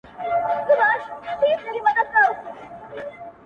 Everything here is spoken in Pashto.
ماسومان زموږ وېريږي ورځ تېرېږي